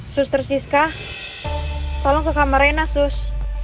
sus ter siska tolong ke kamar reina sus